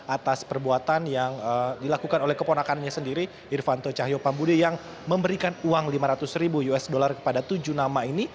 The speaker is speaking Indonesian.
atas perbuatan yang dilakukan oleh keponakannya sendiri irvanto cahyo pambudi yang memberikan uang lima ratus ribu usd kepada tujuh nama ini